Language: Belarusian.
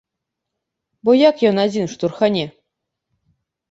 Бо як ён адзін штурхане?